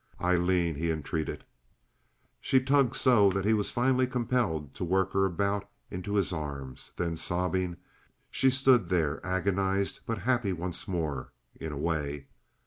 "Aileen!" he entreated. She tugged so that he was finally compelled to work her about into his arms; then, sobbing, she stood there agonized but happy once more, in a way.